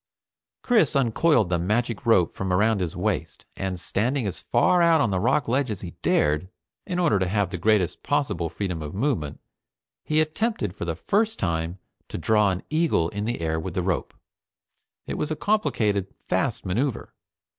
Chris uncoiled the magic rope from around his waist, and standing as far out on the rock ledge as he dared, in order to have the greatest possible freedom of movement, he attempted for the first time to draw an eagle in the air with the rope. It was a complicated, fast maneuver.